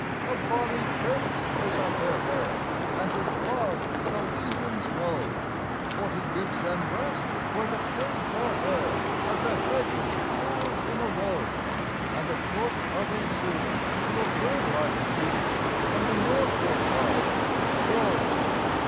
A bonnie prince is at their head, And his love the legions know: For he gives them rest where the twigs are red At the hedges cool in a row: And afoot are they soon to a birdlike tune On the northward march to go.